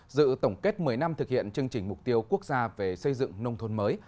dự tổng kết một mươi năm thực hiện chương trình mục tiêu quốc gia về xây dựng nông thôn mới